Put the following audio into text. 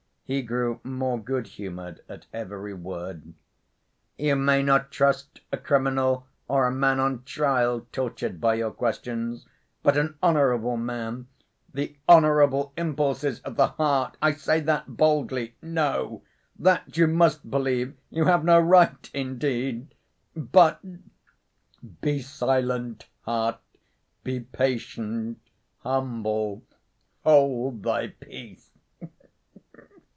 He grew more good‐ humored at every word. "You may not trust a criminal or a man on trial tortured by your questions, but an honorable man, the honorable impulses of the heart (I say that boldly!)—no! That you must believe you have no right indeed ... but— Be silent, heart, Be patient, humble, hold thy peace.